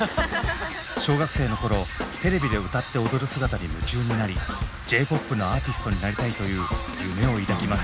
小学生の頃テレビで歌って踊る姿に夢中になりＪ−ＰＯＰのアーティストになりたいという夢を抱きます。